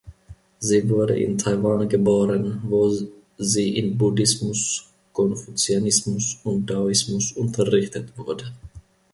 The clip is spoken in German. Sie wurde in Taiwan geboren, wo sie in Buddhismus, Konfuzianismus und Daoismus unterrichtet wurde.